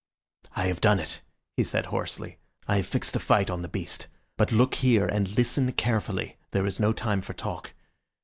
"I have done it," he said hoarsely. "I have fixed a fight on the beast. But look here, and listen carefully. There is no time for talk.